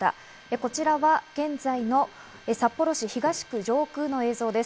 こちらは現在の札幌市東区上空の映像です。